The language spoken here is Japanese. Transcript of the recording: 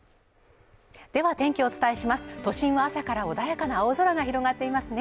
では天気をお伝えします都心は朝から穏やかな青空が広がっていますね